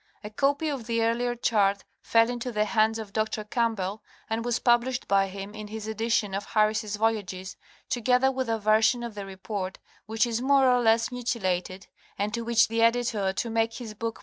A copy of the earlier chart fell into the hands of Dr. Campbell and was published by him in his edition of Harris' Voyages,* together with a version of the report which is more or less mutilated and to which the editor to make his book more readable has * HARRIS, JOHN.